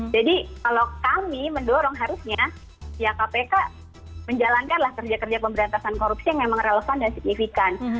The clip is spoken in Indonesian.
jadi kalau kami mendorong harusnya ya kpk menjalankanlah kerja kerja pemberantasan korupsi yang memang relevan dan signifikan